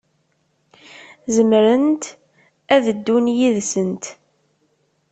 Zemrent ad ddun yid-sent.